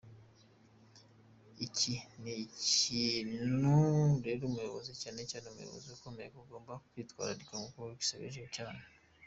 Iki ni ikintu rero umuyobozi cyane cyane abayobozi bakomeye bagomba kwitwararika kuko birasebeje cyane.